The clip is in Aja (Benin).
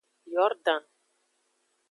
Yordan.